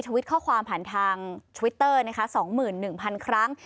ทวิตข้อความผ่านทางทวิตเตอร์นะคะสองหมื่นหนึ่งพันครั้ง